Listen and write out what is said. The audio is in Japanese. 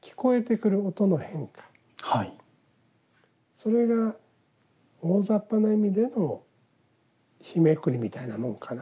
それが大ざっぱな意味での日めくりみたいなもんかな。